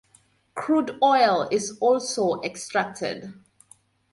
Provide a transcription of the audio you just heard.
Crude oil is also extracted.